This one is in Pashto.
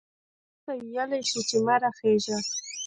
لمر ته ویلای شي چې مه را خیژه؟